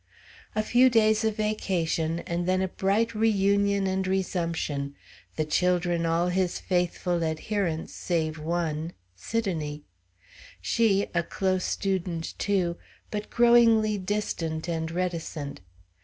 A few days of vacation, and then a bright re union and resumption, the children all his faithful adherents save one Sidonie. She, a close student, too, but growingly distant and reticent.